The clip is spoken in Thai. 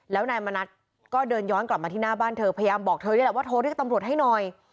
แล้วนายมณัฐก็เดินย้อนกลับมาที่หน้าบ้านเธอพยายามบอกเธอนี่แหละว่าโทรเรียกตำรวจให้หน่อย